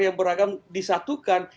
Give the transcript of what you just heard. yang beragam disatukan